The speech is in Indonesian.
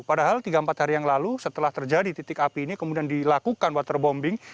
padahal tiga empat hari yang lalu setelah terjadi titik api ini kemudian dilakukan waterbombing